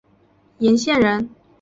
剡县人。